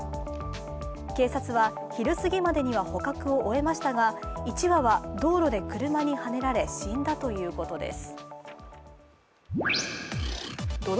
警察は昼すぎまでには捕獲を終えましたが１羽は道路で車にはねられ死んだということです。